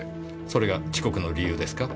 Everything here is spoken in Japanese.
それが遅刻の理由ですか？